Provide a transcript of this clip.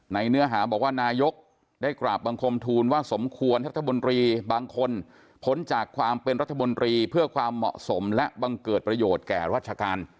เนื้อหาบอกว่านายกได้กราบบังคมทูลว่าสมควรรัฐมนตรีบางคนพ้นจากความเป็นรัฐมนตรีเพื่อความเหมาะสมและบังเกิดประโยชน์แก่ราชการ